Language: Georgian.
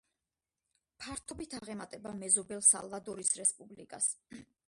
ფართობით აღემატება მეზობელ სალვადორის რესპუბლიკას.